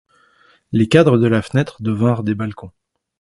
Les cadres de la fenêtre devinrent des balcons.